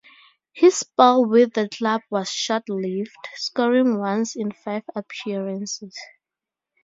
His spell with the club was short-lived, scoring once in five appearances.